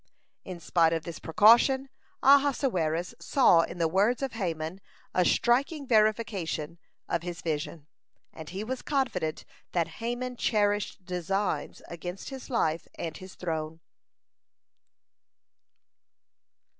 In spite of this precaution, Ahasuerus saw in the words of Haman a striking verification of his vision, and he was confident that Haman cherished designs against his life and his throne.